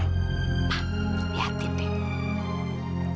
ma lihatin deh